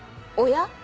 「おや？